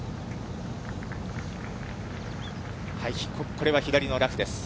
これは左のラフです。